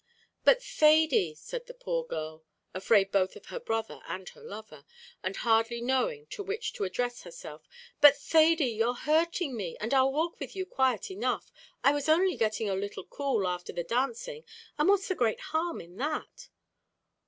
"But, Thady," said the poor girl, afraid both of her brother and her lover, and hardly knowing to which to address herself; "but, Thady, you're hurting me, and I'll walk with you quiet enough. I was only getting a little cool afther the dancing, and what's the great harm in that?"